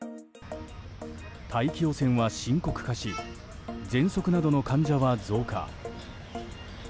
大気汚染は深刻化しぜんそくなどの患者は増加。